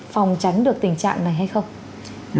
phòng tránh được tình trạng này hay không